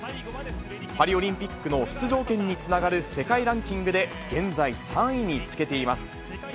パリオリンピックの出場権につながる世界ランキングで、現在３位につけています。